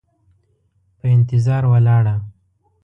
په انتظار ولاړه،